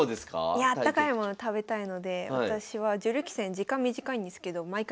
いやああったかいもの食べたいので私は女流棋戦時間短いんですけど毎回注文してますね。